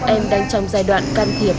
em đang trong giai đoạn can thiệp